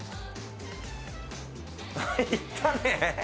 行ったね。